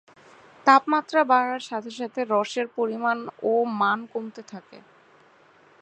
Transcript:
তাপমাত্রা বাড়ার সাথে সাথে রসের পরিমাণ ও মান কমতে থাকে।